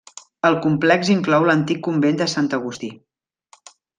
El complex inclou l'antic convent de Sant Agustí.